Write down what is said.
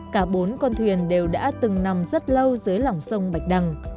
cả bốn con thuyền đều đã từng nằm rất lâu dưới lỏng sông bạch đằng